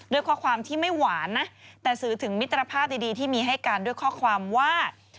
ด้วยข้อความที่ไม่หวานนะแต่สื่อถึงมิตรภาพดีที่มีให้กันด้วยข้อความว่า